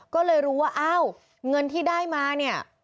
ก็เลยรู้ว่าอ้าวเงินที่ได้มาเนี่ย